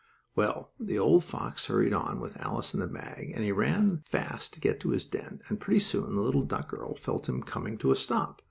Well, the old fox hurried on, with Alice in the bag and he ran fast to get to his den, and pretty soon the little duck girl felt him coming to a stop.